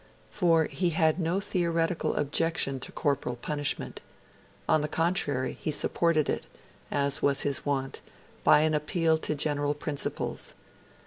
For he had no theoretical objection to corporal punishment. On the contrary, he supported it, as was his wont, by an appeal to general principles.